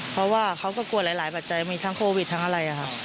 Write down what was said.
เพราะว่าเขาก็กลัวหลายปัจจัยมีทั้งโควิดทั้งอะไร